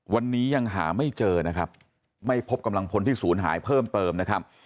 วันนี้ยังหาไม่เจอนะครับไม่พบกำลังพลที่ศูนย์หายเพิ่มเติมนะครับ